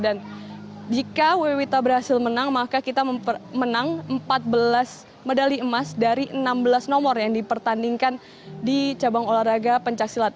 dan jika w w wita berhasil menang maka kita menang empat belas medali emas dari enam belas nomor yang dipertandingkan di cabang olahraga pencaksilat